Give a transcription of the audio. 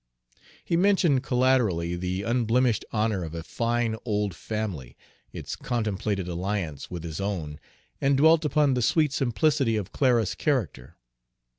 He mentioned collaterally the unblemished honor of a fine old family, its contemplated alliance with his own, and dwelt upon the sweet simplicity of Clara's character.